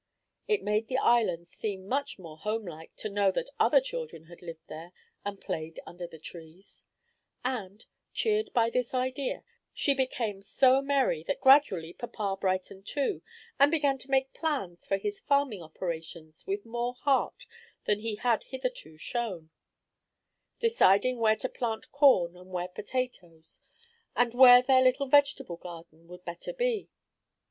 It made the island seem much more home like to know that other children had lived there and played under the trees; and, cheered by this idea, she became so merry, that gradually papa brightened, too, and began to make plans for his farming operations with more heart than he had hitherto shown, deciding where to plant corn and where potatoes, and where their little vegetable garden would better be.